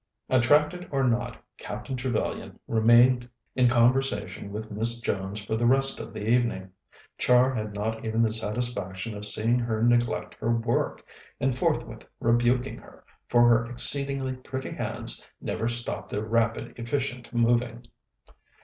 Attracted or not, Captain Trevellyan remained in conversation with Miss Jones for the rest of the evening. Char had not even the satisfaction of seeing her neglect her work, and forthwith rebuking her, for her exceedingly pretty hands never stopped their rapid, efficient moving.